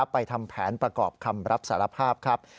ทำแผนประกอบคำรับสารภาพครับ